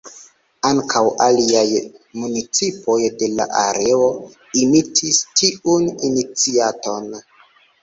Ankaŭ aliaj municipoj de la areo imitis tiun iniciaton.